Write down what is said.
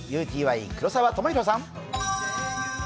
ＵＴＹ・黒澤知弘さん。